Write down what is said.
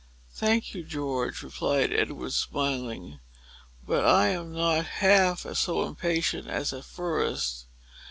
"Thank you, George," replied Edward, smiling; "but I am not half so impatient as at first.